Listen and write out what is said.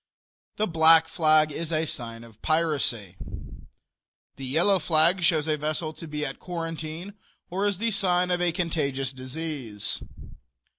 The black flag is a sign of piracy. The yellow flag shows a vessel to be at quarantine or is the sign of a contagious disease.